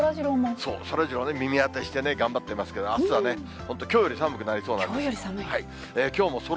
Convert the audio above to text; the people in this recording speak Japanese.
そう、そらジロー、耳当てしてね、頑張ってますけど、あすは本当、きょうより寒くなりそうなきょうより寒い？